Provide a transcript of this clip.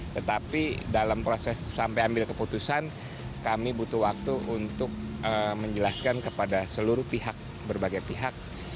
tetapi dalam proses sampai ambil keputusan kami butuh waktu untuk menjelaskan kepada seluruh pihak berbagai pihak